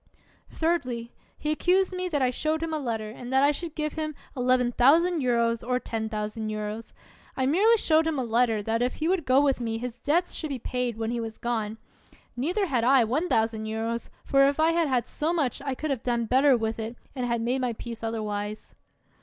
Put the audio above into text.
Thirdly, he accused me that I showed him a letter and that I should give him £11,000 or £10,000. I merely showed him a letter, that if he would go with me his debts should be paid when he was gone : neither had I £1,000, for if I had had so much I could have done better with it and made my peace otherwise.